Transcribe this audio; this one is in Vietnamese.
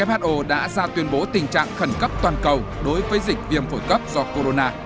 who đã ra tuyên bố tình trạng khẩn cấp toàn cầu đối với dịch viêm phổi cấp do corona